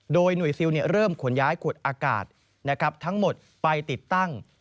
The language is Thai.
โดยหน่วยซิลเริ่มขนย้ายขวดอากาศทั้งหมดไปติดตั้ง